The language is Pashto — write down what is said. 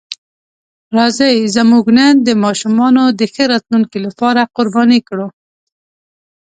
راځئ زموږ نن د ماشومانو د ښه راتلونکي لپاره قرباني کړو.